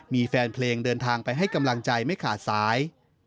มีแฟนเพลงเดินทางไปให้กำลังใจไม่ขาดสาย